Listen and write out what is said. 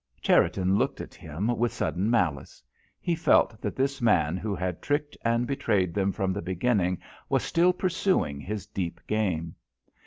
Cherriton looked at him with sudden malice. He felt that this man who had tricked and betrayed them from the beginning, was still pursuing his deep game.